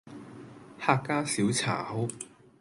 客家小炒